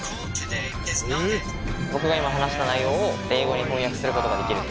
僕が今話した内容を英語に翻訳することができる。